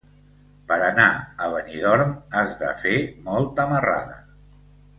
Per anar a Benidorm has de fer molta marrada.